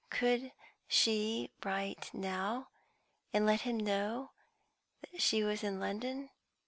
Could she write now, and let him know that she was in London?